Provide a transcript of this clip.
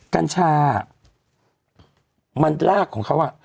กัญชามันลากของเขา